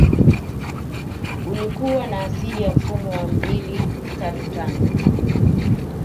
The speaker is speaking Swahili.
Ulikua na asili ya mfumo wa mbili tatu tano